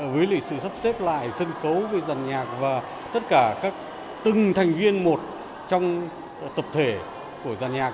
với lịch sử sắp xếp lại sân khấu với giàn nhạc và tất cả các từng thành viên một trong tập thể của giàn nhạc